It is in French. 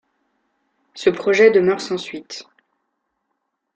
Ce projet demeure sans suite.